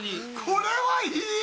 これはいい！